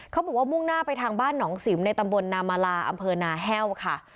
เขาบอกว่ามุ่งหน้าไปทางบ้านหนองสิมในตำบลนามาราอำเภอนาแฮวค่ะ